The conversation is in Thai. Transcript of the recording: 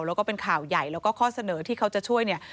แล้วก็เป็นข่าวใหญ่แล้วก็ข้อเสนอที่เขาจะช่วยเนี่ย